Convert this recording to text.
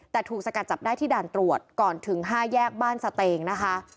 แต่ถูกสกัดจับได้ที่ด่านตรวจก่อนถึง๕แยกบ้านสเตงนะคะ